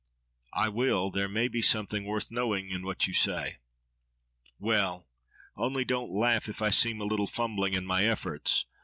—I will; there may be something worth knowing in what you will say. —Well!—only don't laugh if I seem a little fumbling in my efforts.